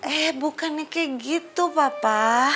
eh bukannya kayak gitu papa